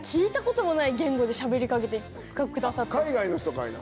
海外の人かいな？